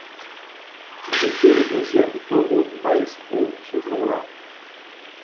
Il était le deuxième toro du maestro ce jour-là.